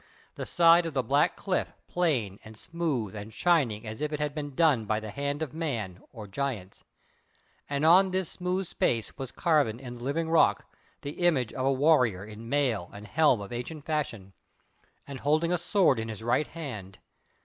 the side of the black cliff plain and smooth and shining as if it had been done by the hand of men or giants, and on this smooth space was carven in the living rock the image of a warrior in mail and helm of ancient fashion, and holding a sword in his right hand.